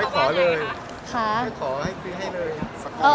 เค้าไม่ขอเลย